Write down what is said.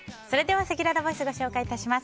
せきららボイスご紹介いたします。